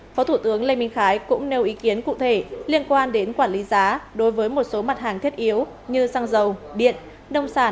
phó thủ tướng lê minh khái cũng nêu ý kiến cụ thể liên quan đến quản lý giá đối với một số mặt hàng thiết yếu như xăng dầu điện nông sản